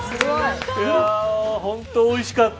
本当においしかった。